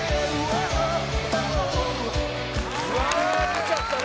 見ちゃったね。